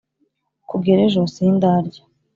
kugera ejo sindarya